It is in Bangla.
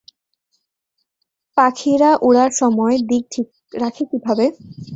পাখিরা উড়ার সময় দিক ঠিক রাখে কীভাবে?